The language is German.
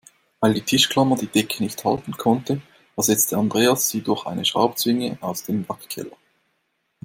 Weil die Tischklammer die Decke nicht halten konnte, ersetzte Andreas sie durch eine Schraubzwinge aus dem Werkkeller.